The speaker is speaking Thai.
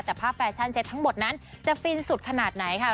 แต่ภาพแฟชั่นเต็ตทั้งหมดนั้นจะฟินสุดขนาดไหนค่ะ